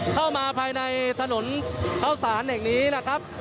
เข้ามาภายในถนนเข้าสารแห่งนี้นะครับ